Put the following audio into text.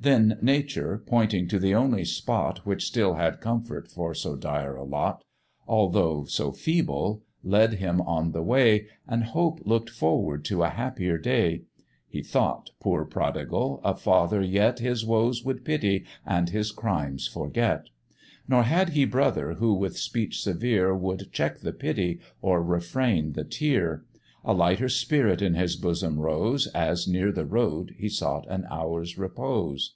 Then nature, pointing to the only spot Which still had comfort for so dire a lot, Although so feeble, led him on the way, And hope look'd forward to a happier day: He thought, poor prodigal! a father yet His woes would pity and his crimes forget; Nor had he brother who with speech severe Would check the pity or refrain the tear: A lighter spirit in his bosom rose, As near the road he sought an hour's repose.